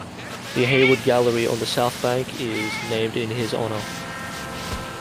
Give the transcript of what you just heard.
The Hayward Gallery on the South Bank is named in his honour.